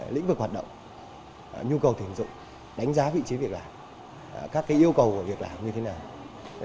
lĩnh vực hoạt động nhu cầu tuyển dụng đánh giá vị trí việc làm các yêu cầu của việc làm như thế nào